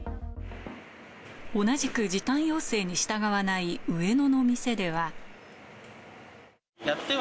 同じく時短要請に従わない上野の店では。